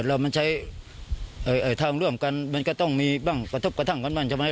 เรามันใช้ทางร่วมกันมันก็ต้องมีบ้างกระทบกระทั่งกันบ้างใช่ไหม